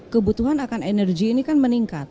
kebutuhan akan energi ini kan meningkat